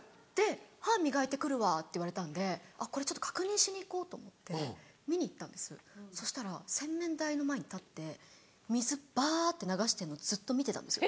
「歯磨いて来るわ」って言われたんでこれちょっと確認しに行こうと思って見に行ったんですよそしたら洗面台の前に立って水バって流してんのずっと見てたんですよ。